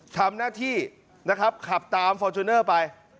ทำหน้าที่นะครับขับตามฟอร์จูเนอร์ไป